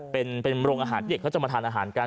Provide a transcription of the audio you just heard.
เป็นโรงอาหารที่เด็กเขาจะมาทานอาหารกัน